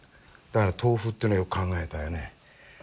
だから豆腐っていうのはよく考えたよね。